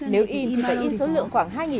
nếu in thì phải in số lượng khoảng hai chất trở lên